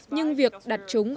nhưng việc đặt trồng